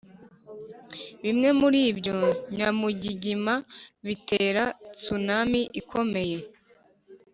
bimwe muribyo nyamugigima bitera tsunami ikomeye.